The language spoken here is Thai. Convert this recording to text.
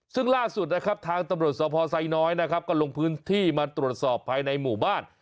ซึ่งล่าสุดนะครับทางตำรวจสภไซน้อยนะครับก็ลงพื้นที่มาตรวจสอบภายในหมู่บ้าน